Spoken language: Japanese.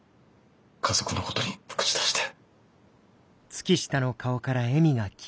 家族のことに口出して。